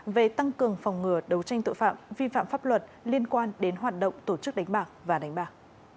về tăng cường phòng ngừa đấu tranh tội phạm vi phạm pháp luật liên quan đến hoạt động tổ chức đánh bạc và đánh bạc